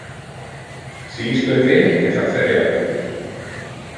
Si isto eveni, que facerea tu?